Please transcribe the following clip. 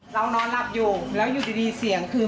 นอนหลับอยู่แล้วอยู่ดีเสียงคือ